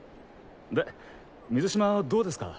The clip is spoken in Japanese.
で水嶋はどうですか？